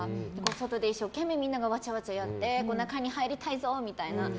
外で一生懸命みんながわちゃわちゃやって中に入りたいぞみたいな。